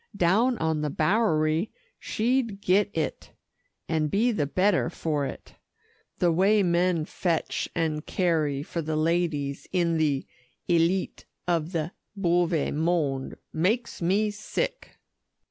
Down on the Bowery, she'd get it, and be the better for it. The way men fetch and carry for the ladies in the 'aileet of the bowe mond,' makes me sick!"